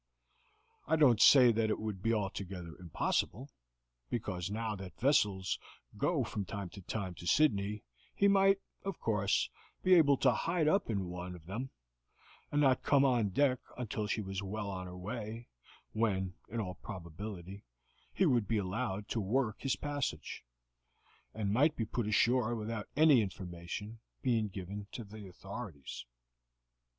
"I don't say that it would be altogether impossible, because now that vessels go from time to time to Sydney, he might, of course, be able to hide up in one of them, and not come on deck until she was well on her way, when, in all probability, he would be allowed to work his passage, and might be put ashore without any information being given to the authorities.